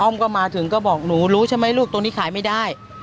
ก็มาถึงก็บอกหนูรู้ใช่ไหมลูกตรงนี้ขายไม่ได้